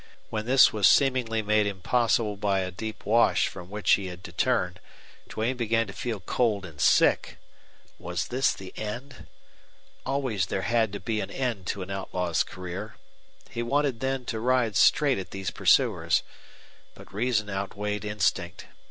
When this was seemingly made impossible by a deep wash from which he had to turn, Duane began to feel cold and sick. Was this the end? Always there had to be an end to an outlaw's career. He wanted then to ride straight at these pursuers. But reason outweighed instinct.